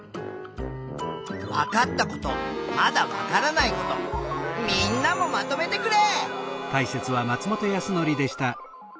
わかったことまだわからないことみんなもまとめてくれ！